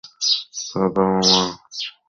তার বাবা-মা কঙ্গোলীয় বংশোদ্ভূত।